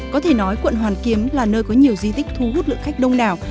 có thể nói quận hoàn kiếm là nơi có nhiều di tích thu hút lượng khách đông đảo